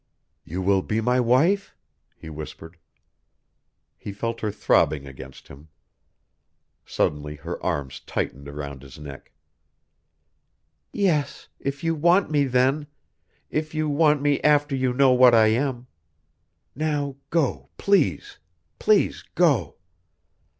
"You will be my wife?" he whispered. He felt her throbbing against him. Suddenly her arms tightened around his neck. "Yes, if you want me then if you want me after you know what I am. Now, go please, please go!"